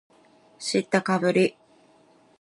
知ったかぶり